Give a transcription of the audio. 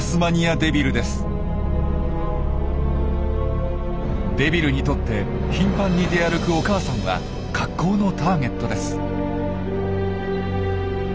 デビルにとって頻繁に出歩くお母さんは格好のターゲットです。